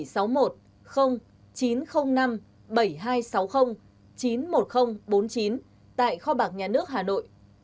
số tài khoản chín trăm linh năm bảy nghìn hai trăm sáu mươi chín mươi một nghìn bốn mươi chín tại kho bạc nhà nước hà nội